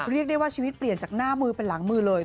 เรียกได้ว่าชีวิตเปลี่ยนจากหน้ามือเป็นหลังมือเลย